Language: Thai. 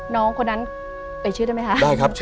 น้องคนนั้นเป็นชื่อได้ไหมคะ